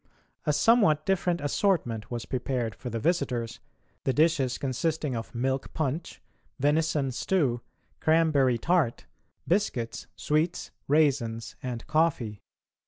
A somewhat different assortment was prepared for the visitors, the dishes consisting of milk punch, venison stew, cranberry tart, biscuits, sweets, raisins, and coffee.